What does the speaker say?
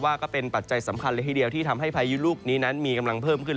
ก็เป็นปัจจัยสำคัญเลยทีเดียวที่ทำให้พายุลูกนี้นั้นมีกำลังเพิ่มขึ้น